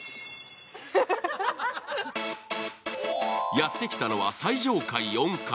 やってきたのは最上階４階。